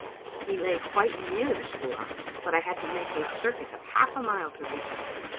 He lay quite near the school house, but I had to make a circuit of half a mile to reach him.